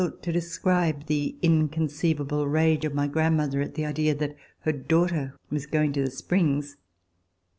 It would be difficult to describe the inconceivable rage of my grandmother at the idea that her daughter was going to the springs.